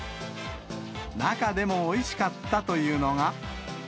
中でもおいしかったというのが。